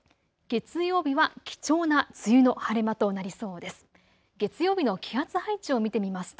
月曜日は貴重な梅雨の晴れ間となりそうです。